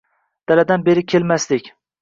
Daladan beri kelmasdik